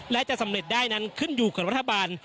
และจะสำเร็จได้นั้นขึ้นอยู่กับรัฐบาล